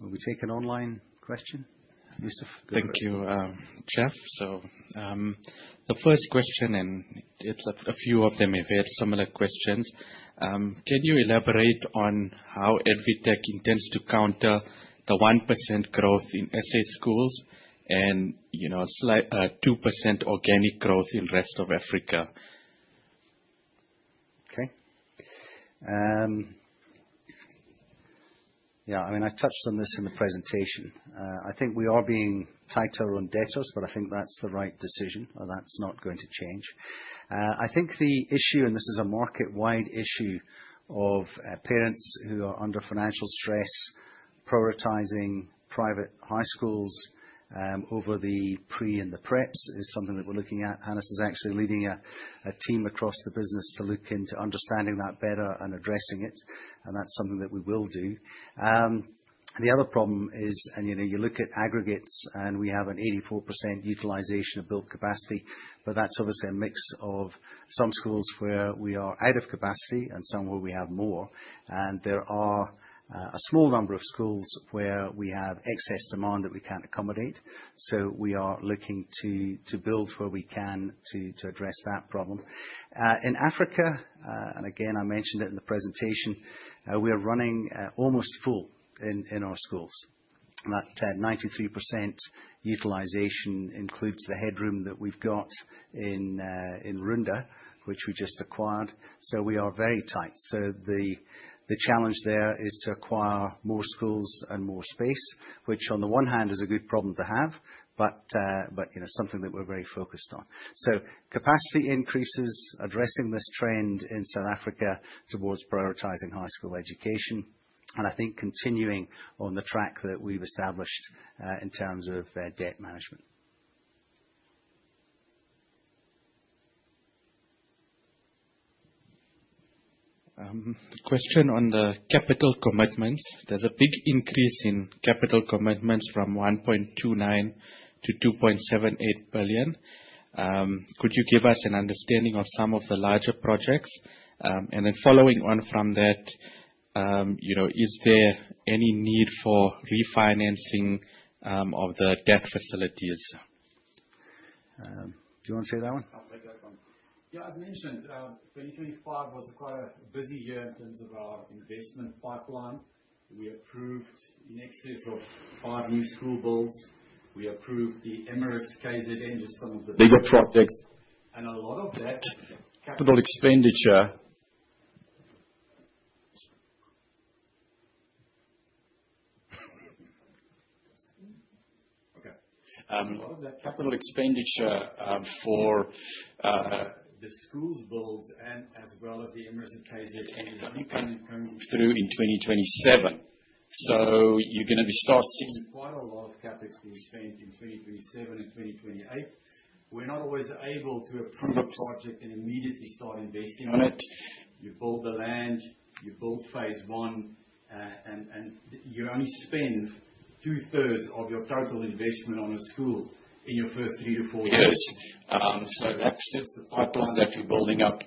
Will we take an online question? Yusuf, go for it. Thank you, Geoff. The first question, and perhaps a few of them may have had similar questions. Can you elaborate on how ADvTECH intends to counter the 1% growth in SA schools and slight 2% organic growth in rest of Africa? Okay. Yeah, I mean, I touched on this in the presentation. I think we are being tighter on debtors, but I think that's the right decision and that's not going to change. I think the issue, and this is a market-wide issue, of parents who are under financial stress prioritizing private high schools over the pre- and the preps is something that we're looking at. Hannes is actually leading a team across the business to look into understanding that better and addressing it, and that's something that we will do. The other problem is, and you look at aggregates, and we have an 84% utilization of built capacity, but that's obviously a mix of some schools where we are out of capacity and some where we have more. There are a small number of schools where we have excess demand that we can't accommodate. We are looking to build where we can to address that problem. In Africa, and again, I mentioned it in the presentation, we are running almost full in our schools. That 93% utilization includes the headroom that we've got in Runda, which we just acquired. We are very tight. The challenge there is to acquire more schools and more space, which on the one hand is a good problem to have, but something that we're very focused on. Capacity increases, addressing this trend in South Africa towards prioritizing high school education, and I think continuing on the track that we've established, in terms of debt management. A question on the capital commitments. There's a big increase in capital commitments from 1.29 billion-2.78 billion. Could you give us an understanding of some of the larger projects? Following on from that, is there any need for refinancing of the debt facilities? Do you want to share that one? I'll take that one. Yeah, as mentioned, 2025 was quite a busy year in terms of our investment pipeline. We approved in excess of five new school builds. We approved the Emeris KZN, just some of the bigger projects. A lot of that capital expenditure for the school builds and as well as the Emeris KZN is only coming through in 2027. You're gonna start seeing quite a lot of CapEx being spent in 2027 and 2028. We're not always able to approve a project and immediately start investing on it. You buy the land, you build phase I, and you only spend 2/3 of your total investment on a school in your first three to four years. That's just the pipeline that you're building up.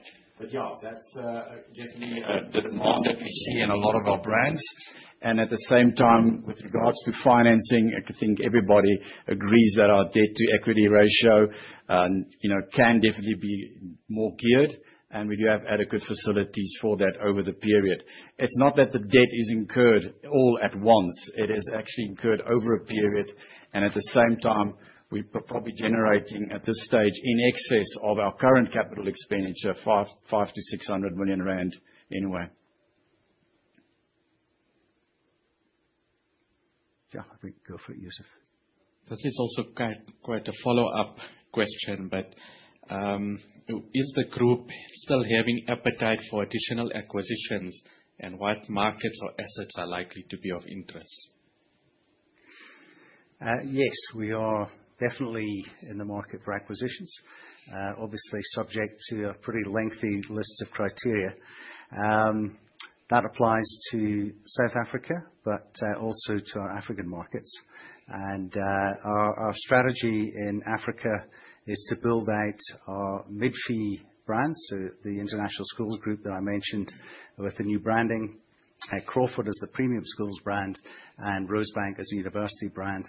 Yeah, that's definitely the demand that we see in a lot of our brands. And at the same time, with regards to financing, I think everybody agrees that our debt-to-equity ratio can definitely be more geared. We do have adequate facilities for that over the period. It's not that the debt is incurred all at once. It is actually incurred over a period. At the same time, we're probably generating, at this stage, in excess of our current capital expenditure, 5 million-600 million rand anyway. Yeah, I think go for it, Yusuf. This is also quite a follow-up question, but is the group still having appetite for additional acquisitions? What markets or assets are likely to be of interest? Yes, we are definitely in the market for acquisitions, obviously subject to a pretty lengthy list of criteria. That applies to South Africa, but also to our African markets. Our strategy in Africa is to build out our mid-fee brands. The International Schools Group that I mentioned with the new branding, Crawford as the premium schools brand, and Rosebank as a university brand.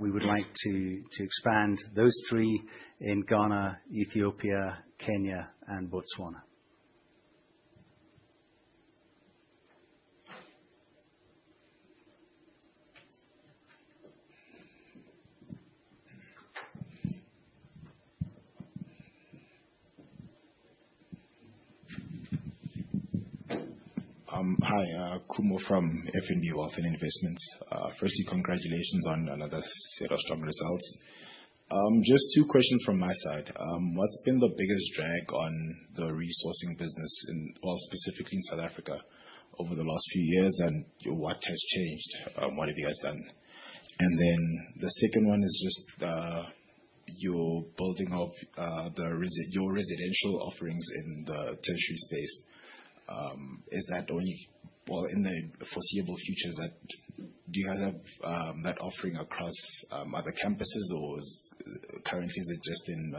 We would like to expand those three in Ghana, Ethiopia, Kenya, and Botswana. Hi. Khumo from FNB Wealth and Investments. Firstly, congratulations on another set of strong results. Just two questions from my side. What's been the biggest drag on the resourcing business in, well, specifically in South Africa over the last few years, and what has changed? What have you guys done? The second one is just your building of your residential offerings in the tertiary space. In the foreseeable future, do you guys have that offering across other campuses, or currently is it just in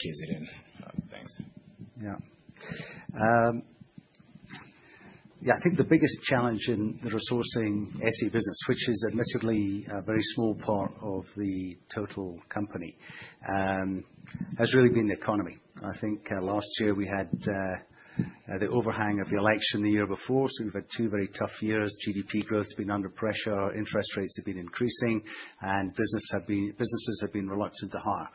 KZN? Thanks. Yeah. I think the biggest challenge in the resourcing SA business, which is admittedly a very small part of the total company, has really been the economy. I think last year we had the overhang of the election the year before, so we've had two very tough years. GDP growth's been under pressure, interest rates have been increasing, and businesses have been reluctant to hire.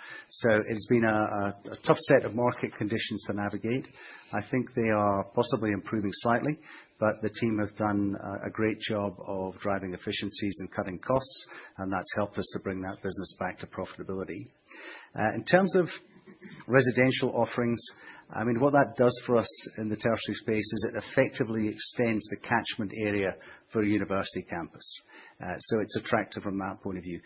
It's been a tough set of market conditions to navigate. I think they are possibly improving slightly, but the team have done a great job of driving efficiencies and cutting costs, and that's helped us to bring that business back to profitability. In terms of residential offerings, what that does for us in the tertiary space is it effectively extends the catchment area for a university campus. It's attractive from that point of view.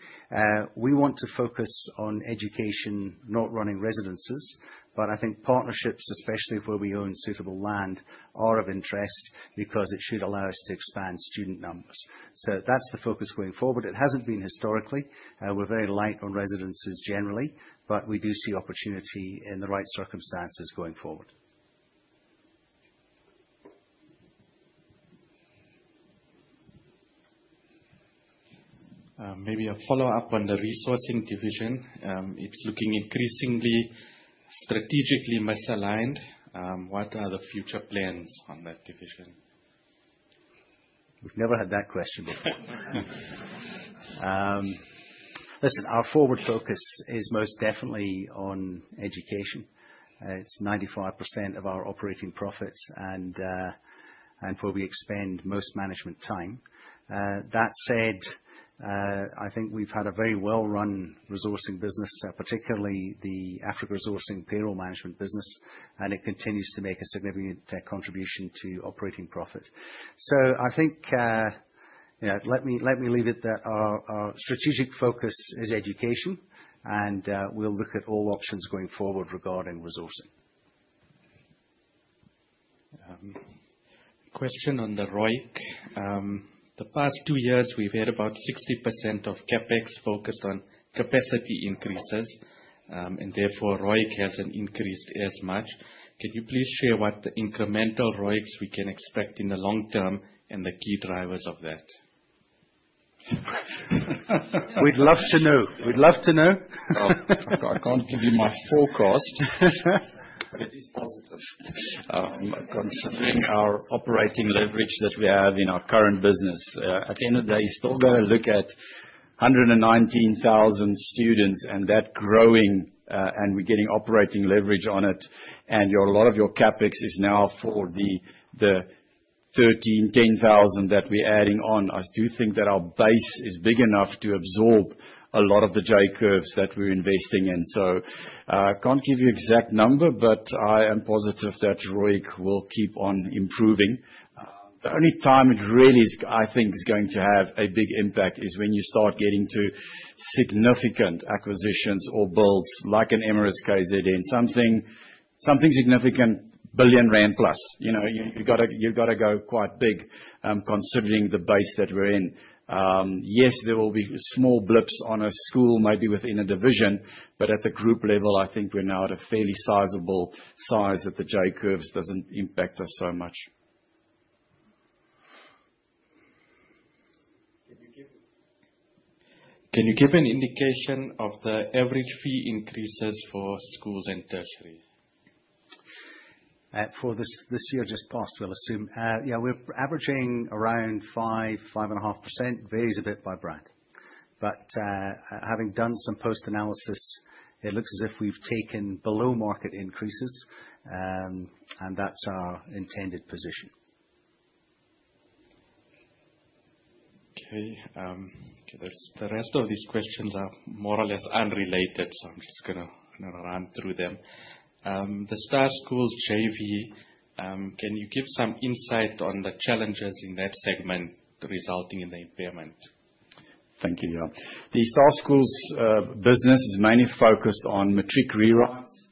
We want to focus on education, not running residences. I think partnerships, especially where we own suitable land, are of interest because it should allow us to expand student numbers. That's the focus going forward. It hasn't been historically. We're very light on residences generally, but we do see opportunity in the right circumstances going forward. Maybe a follow-up on the resourcing division. It's looking increasingly strategically misaligned. What are the future plans on that division? We've never had that question before. Listen, our forward focus is most definitely on education. It's 95% of our operating profits and where we expend most management time. That said, I think we've had a very well-run resourcing business, particularly the Africa resourcing payroll management business, and it continues to make a significant contribution to operating profit. Let me leave it at that. Our strategic focus is education, and we'll look at all options going forward regarding resourcing. Question on the ROIC. The past two years, we've heard about 60% of CapEx focused on capacity increases, and therefore ROIC hasn't increased as much. Can you please share what the incremental ROICs we can expect in the long term and the key drivers of that? We'd love to know. I can't give you my forecast, but it is positive. Considering our operating leverage that we have in our current business, at the end of the day, you've still got to look at 119,000 students and that growing, and we're getting operating leverage on it. A lot of your CapEx is now for the 13,000, 10,000 that we're adding on. I do think that our base is big enough to absorb a lot of the J-curves that we're investing in. I can't give you exact number, but I am positive that ROIC will keep on improving. The only time it really, I think, is going to have a big impact is when you start getting to significant acquisitions or builds like an Emeris KZN. Something significant, +1 billion rand. You've got to go quite big, considering the base that we're in. Yes, there will be small blips on a school, maybe within a division, but at the group level, I think we're now at a fairly sizable size that the J-curves doesn't impact us so much. Can you give an indication of the average fee increases for schools and tertiary? For this year just passed, we'll assume. We're averaging around 5%-5.5%, varies a bit by brand. Having done some post-analysis, it looks as if we've taken below-market increases, and that's our intended position. Okay. The rest of these questions are more or less unrelated, so I'm just gonna run through them. The Star Schools JV, can you give some insight on the challenges in that segment resulting in the impairment? Thank you, Yusuf. The Star Schools business is mainly focused on matric rewrites. As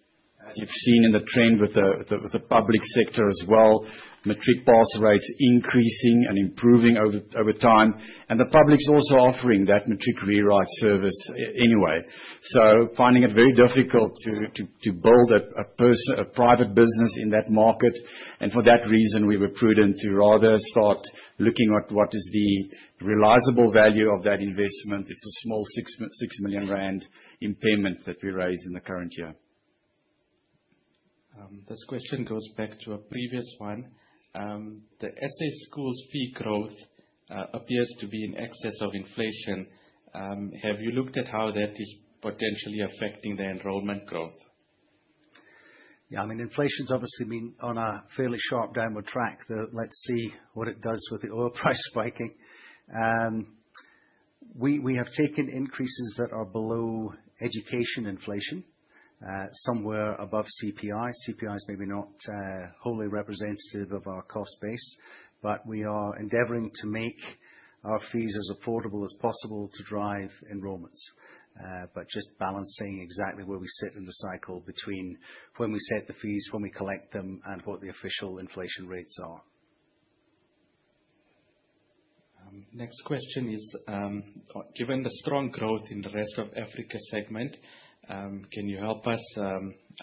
you've seen in the trend with the public sector as well, matric pass rates increasing and improving over time. The public's also offering that matric rewrite service anyway. Finding it very difficult to build a private business in that market. For that reason, we were prudent to rather start looking at what is the realizable value of that investment. It's a small 6 million rand impairment that we raised in the current year. This question goes back to a previous one. The SA Schools fee growth appears to be in excess of inflation. Have you looked at how that is potentially affecting the enrollment growth? Yeah. Inflation's obviously been on a fairly sharp downward track, though let's see what it does with the oil price spiking. We have taken increases that are below education inflation, somewhere above CPI. CPI is maybe not wholly representative of our cost base, but we are endeavoring to make our fees as affordable as possible to drive enrollments. Just balancing exactly where we sit in the cycle between when we set the fees, when we collect them, and what the official inflation rates are. Next question is, given the strong growth in the rest of Africa segment, can you help us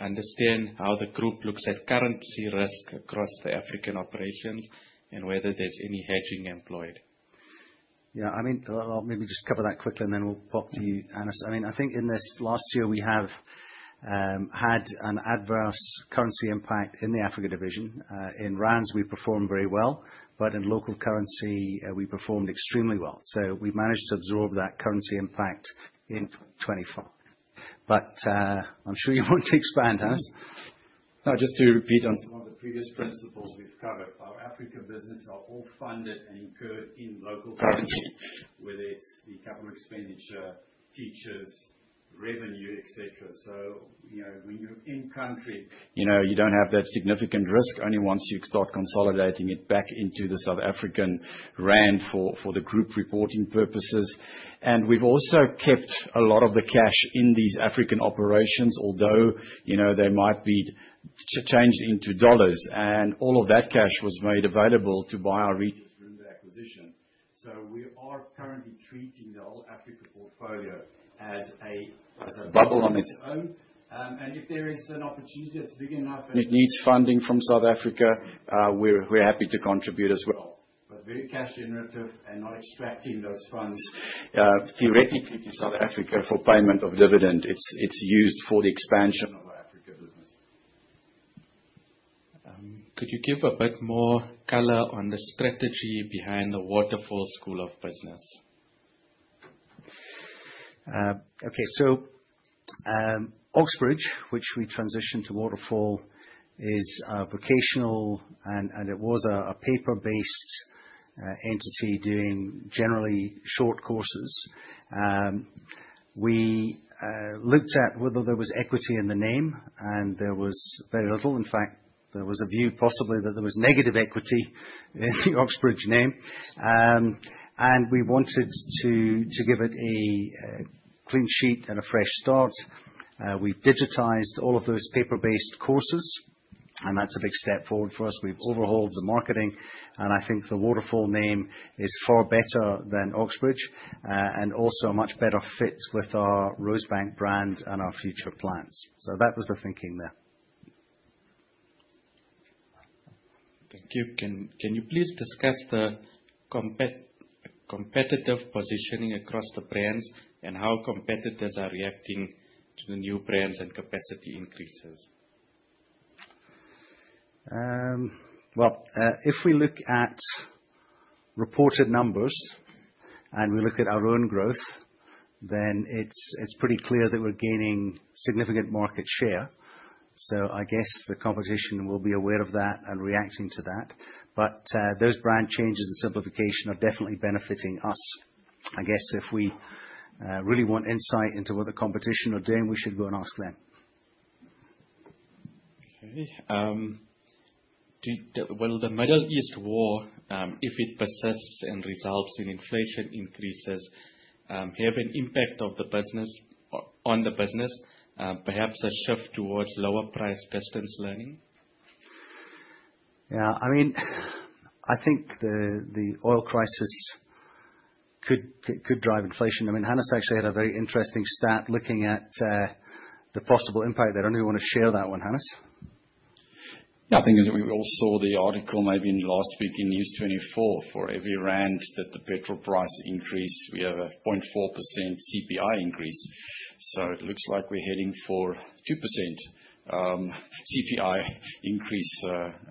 understand how the group looks at currency risk across the African operations and whether there's any hedging employed? Yeah. I'll maybe just cover that quickly, and then we'll pop to you, Hannes. I think in this last year, we have had an adverse currency impact in the Africa division. In rands, we performed very well. In local currency, we performed extremely well. We managed to absorb that currency impact in 2024. I'm sure you want to expand, Hannes. Just to repeat on some of the previous principles we've covered. Our Africa business is all funded and incurred in local currency, whether it's the capital expenditure, teachers, revenue, et cetera. When you're in country, you don't have that significant risk, only once you start consolidating it back into the South African rand for the group reporting purposes. We've also kept a lot of the cash in these African operations, although they might be changed into dollars. All of that cash was made available to buy our Regis group acquisition. We are currently treating the whole Africa portfolio as a bubble on its own. If there is an opportunity that's big enough and it needs funding from South Africa, we're happy to contribute as well, but very cash generative and not extracting those funds, theoretically, to South Africa for payment of dividend. It's used for the expansion of our Africa business. Could you give a bit more color on the strategy behind the Waterfall School of Business? Okay. Oxbridge, which we transitioned to Waterfall, is a vocational, and it was a paper-based entity doing generally short courses. We looked at whether there was equity in the name, and there was very little. In fact, there was a view possibly that there was negative equity in the Oxbridge name. We wanted to give it a clean sheet and a fresh start. We've digitized all of those paper-based courses, and that's a big step forward for us. We've overhauled the marketing, and I think the Waterfall name is far better than Oxbridge, and also a much better fit with our Rosebank brand and our future plans. That was the thinking there. Thank you. Can you please discuss the competitive positioning across the brands and how competitors are reacting to the new brands and capacity increases? Well, if we look at reported numbers and we look at our own growth, then it's pretty clear that we're gaining significant market share. I guess the competition will be aware of that and reacting to that. Those brand changes and simplification are definitely benefiting us. I guess if we really want insight into what the competition are doing, we should go and ask them. Okay. Will the Middle East war, if it persists and results in inflation increases, have an impact on the business, perhaps a shift towards lower price distance learning? Yeah. I think the oil crisis could drive inflation. Hannes actually had a very interesting stat looking at the possible impact there. I don't know if you wanna share that one, Hannes? Yeah, I think as we all saw the article, maybe in the last week in News24, for every rand that the petrol price increase, we have a 0.4% CPI increase. It looks like we're heading for 2% CPI increase,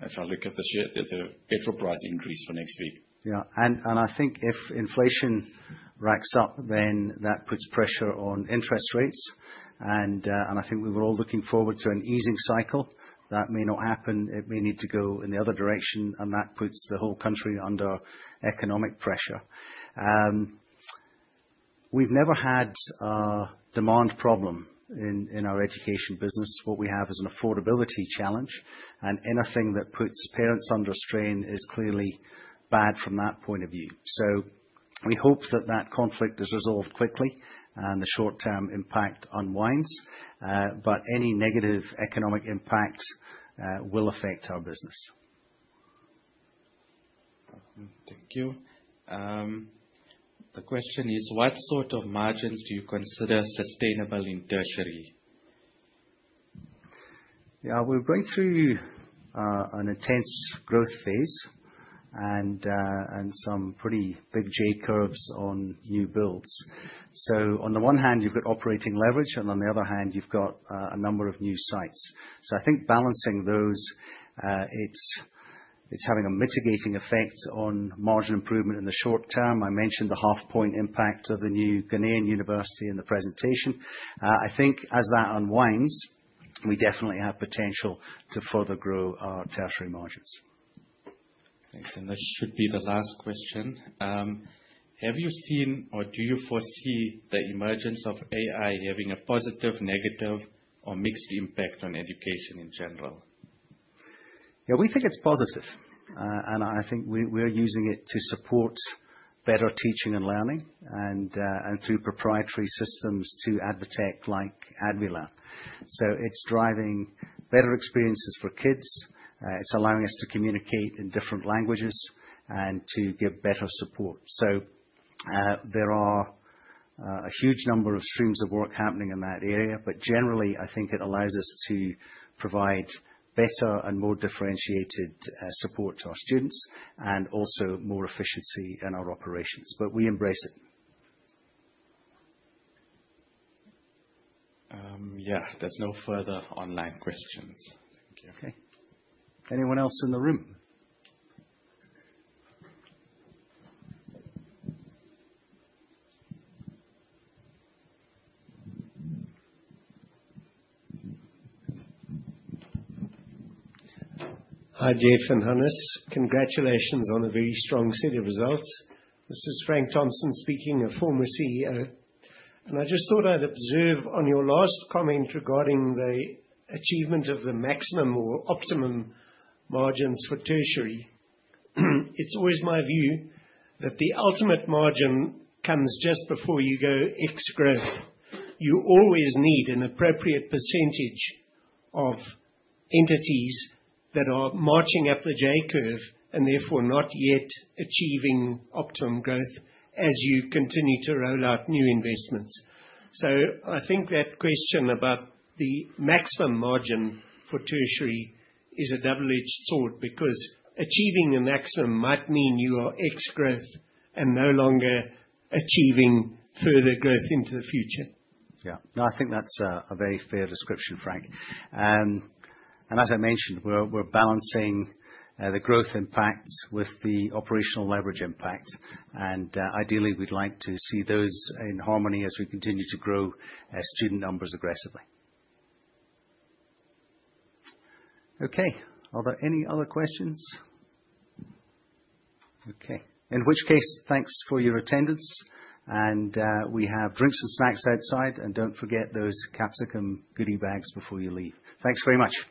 if I look at the petrol price increase for next week. Yeah. I think if inflation racks up, then that puts pressure on interest rates. I think we were all looking forward to an easing cycle that may not happen. It may need to go in the other direction, and that puts the whole country under economic pressure. We've never had a demand problem in our education business. What we have is an affordability challenge, and anything that puts parents under strain is clearly bad from that point of view. We hope that that conflict is resolved quickly and the short-term impact unwinds. Any negative economic impact will affect our business. Thank you. The question is, what sort of margins do you consider sustainable in tertiary? Yeah. We're going through an intense growth phase and some pretty big J-curves on new builds. On the one hand, you've got operating leverage, and on the other hand, you've got a number of new sites. I think balancing those, it's having a mitigating effect on margin improvement in the short term. I mentioned the half point impact of the new Ghanaian university in the presentation. I think as that unwinds; we definitely have potential to further grow our tertiary margins. Thanks. This should be the last question. Have you seen or do you foresee the emergence of AI having a positive, negative, or mixed impact on education in general? Yeah, we think it's positive. I think we're using it to support better teaching and learning, and through proprietary systems to ADvTECH's EdTech like ADvLEARN. It's driving better experiences for kids. It's allowing us to communicate in different languages and to give better support. There are a huge number of streams of work happening in that area. Generally, I think it allows us to provide better and more differentiated support to our students and also more efficiency in our operations. We embrace it. Yeah. There's no further online questions. Thank you. Okay. Anyone else in the room? Hi, Geoff and Hannes. Congratulations on a very strong set of results. This is Frank Thompson speaking, a former CEO. I just thought I'd observe on your last comment regarding the achievement of the maximum or optimum margins for tertiary. It's always my view that the ultimate margin comes just before you go ex-growth. You always need an appropriate percentage of entities that are marching up the J-curve, and therefore, not yet achieving optimum growth as you continue to roll out new investments. I think that question about the maximum margin for tertiary is a double-edged sword because achieving a maximum might mean you are ex-growth and no longer achieving further growth into the future. Yeah. No, I think that's a very fair description, Frank. As I mentioned, we're balancing the growth impact with the operational leverage impact. Ideally, we'd like to see those in harmony as we continue to grow our student numbers aggressively. Okay. Are there any other questions? Okay. In which case, thanks for your attendance. We have drinks and snacks outside. Don't forget those Capsicum goodie bags before you leave. Thanks very much.